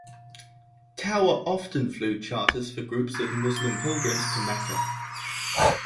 Tower often flew charters for groups of Muslim pilgrims to Mecca.